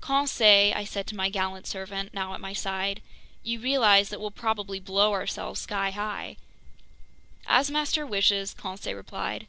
"Conseil," I said to my gallant servant, now at my side, "you realize that we'll probably blow ourselves skyhigh?" "As master wishes!" Conseil replied.